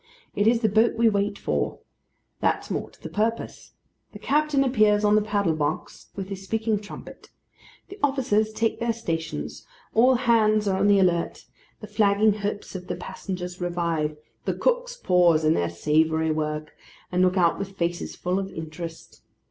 It is the boat we wait for! That's more to the purpose. The captain appears on the paddle box with his speaking trumpet; the officers take their stations; all hands are on the alert; the flagging hopes of the passengers revive; the cooks pause in their savoury work, and look out with faces full of interest.